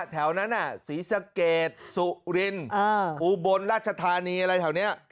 แถวนั้นซีซะเกดซุรินอุบลราชธานีข้าวเขาดี